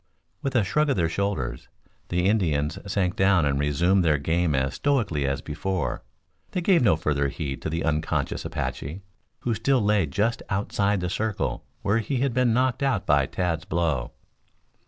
With a shrug of their shoulders the Indians sank down and resumed their game as stoically as before. They gave no further heed to the unconscious Apache, who still lay just outside the circle where he had been knocked out by Tad's blow.